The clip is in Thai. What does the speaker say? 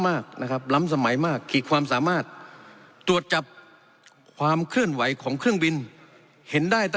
ข้างกับที่ท่านเนี้ยพสกิฟต์ท่านบอกประมาณสามร้อยเมตรเท่านั้นเองนะคะ